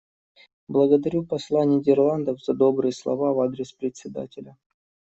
Благодарю посла Нидерландов за добрые слова в адрес Председателя.